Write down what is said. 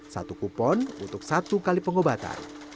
satu kupon untuk satu kali pengobatan